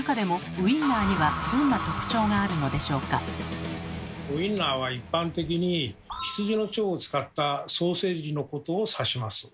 ウインナーは一般的に羊の腸を使ったソーセージのことを指します。